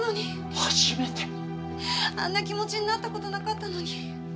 初めて？あんな気持ちになった事なかったのに。